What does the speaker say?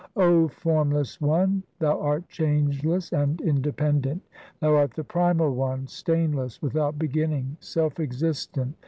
1 0 Formless One, Thou art changeless and independent ; Thou art the Primal One, stainless, without beginning, self existent.